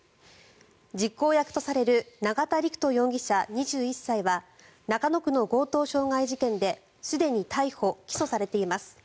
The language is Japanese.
実行役とされる永田陸人容疑者、２１歳は中野区の強盗傷害事件ですでに逮捕・起訴されています。